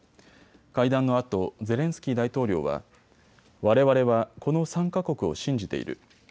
会談のあとゼレンスキー大統領はわれわれはこの３か国を信じている。